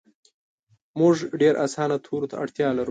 مونږ ډیر اسانه تورو ته اړتیا لرو